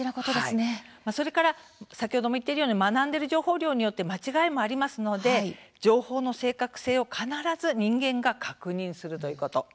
それから先ほども言っているように学んでいる情報量によって間違いもありますので情報の正確性を必ず人間が確認するということ。